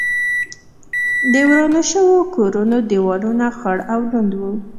د ورانو شوو کورونو دېوالونه خړ او لوند و.